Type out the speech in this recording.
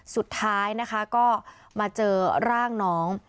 สุดท้ายนะคะก็มาเจอร่างน้อง